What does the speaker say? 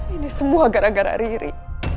ini semua gara gara riri